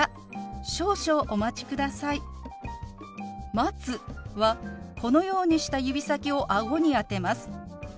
「待つ」はこのようにした指先を顎に当てます。